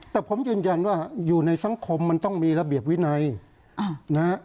แต่ผมยืนยันว่าอยู่ในสังคมมันต้องมีระเบียบวินัยนะฮะ